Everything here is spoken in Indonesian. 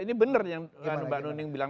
ini benar yang mbak nuning bilang